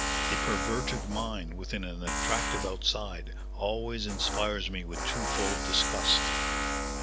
A perverted mind within an attractive outside always inspires me with twofold disgust."